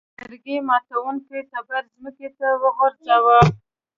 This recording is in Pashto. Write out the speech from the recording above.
لرګي ماتوونکي تبر ځمکې ته وغورځاوه.